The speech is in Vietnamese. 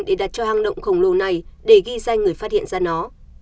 để đặt cho hang động khổng lồ này để ghi danh người phát hiện ra nó